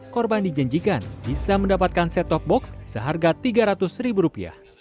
korban dijanjikan bisa mendapatkan set top box seharga rp tiga ratus ribu rupiah